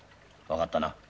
分かったな？